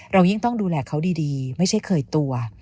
เรายิ่งต้องดูแลเขาดีไม่ใช่เคยตัว